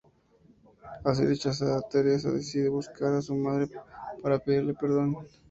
Así rechazada, Teresa decide buscar a su madre para pedirle perdón.